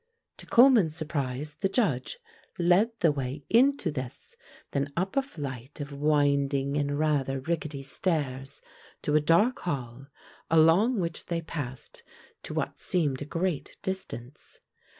To Coleman's surprise the Judge led the way into this, then up a flight of winding and rather rickety stairs to a dark hall, along which they passed to what seemed a great distance.